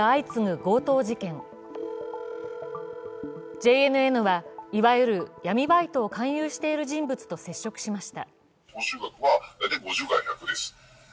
ＪＮＮは、いわゆる闇バイトを勧誘している人物と接触しました。